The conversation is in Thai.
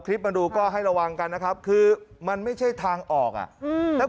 คลิปมันดูก็ให้ระวังกันนะครับคือมันไม่ใช่ทางออกอ่ะแล้ว